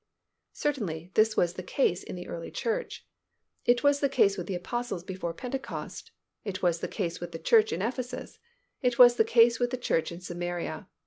Certainly, this was the case in the early church. It was the case with the Apostles before Pentecost; it was the case with the church in Ephesus; it was the case with the church in Samaria.